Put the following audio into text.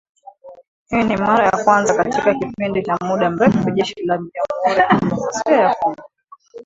Hii ni mara ya kwanza katika kipindi cha muda mrefu, Jeshi la jamhuri ya kidemokrasia ya Kongo